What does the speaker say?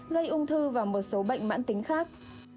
gây ung thư và một số bệnh mãn tính khác